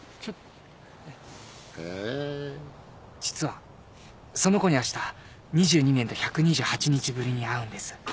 実はその子にあした２２年と１２８日ぶりに会うんです。